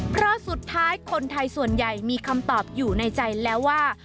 เพราะสุดท้ายคนไทยส่วนใหญ่มีคำตอบอยู่ในใจแล้วว่า